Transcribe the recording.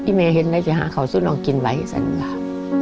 พี่เมย์เห็นแล้วจะหาเขาสู้น้องกินไว้สันหลับ